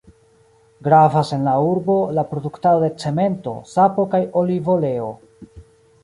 Gravas en la urbo, la produktado de cemento, sapo kaj olivoleo.